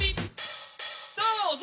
どうぞ！